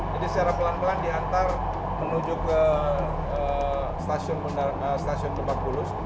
secara pelan pelan diantar menuju ke stasiun lebak bulus